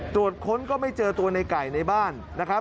ตรวจค้นก็ไม่เจอตัวในไก่ในบ้านนะครับ